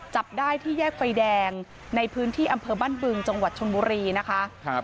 จับได้ที่แยกไฟแดงในพื้นที่อำเภอบ้านบึงจังหวัดชนบุรีนะคะ